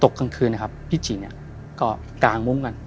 ตกกลางคืนพี่จีก็กาลงมุมกัน